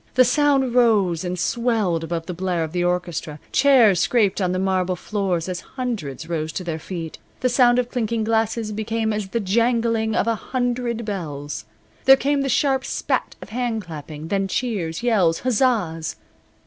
The sound rose and swelled above the blare of the orchestra. Chairs scraped on the marble floor as hundreds rose to their feet. The sound of clinking glasses became as the jangling of a hundred bells. There came the sharp spat of hand clapping, then cheers, yells, huzzas.